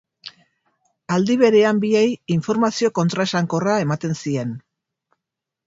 Aldi berean biei informazio kontraesankorra ematen zien.